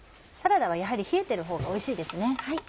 サラダはやはり冷えてるほうがおいしいですね。